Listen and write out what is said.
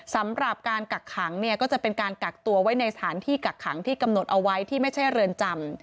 สำหรับการกักขังเนี่ยก็จะเป็นการกักตัวไว้ในสถานที่กักขังที่กำหนดเอาไว้ที่ไม่ใช่เรือนจำ